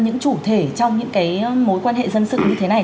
những chủ thể trong những mối quan hệ dân sự như thế này